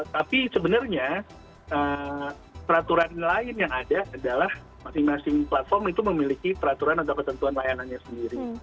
tapi sebenarnya peraturan lain yang ada adalah masing masing platform itu memiliki peraturan atau ketentuan layanannya sendiri